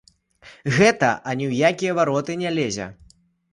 Гэта ані ў якія вароты не лезе.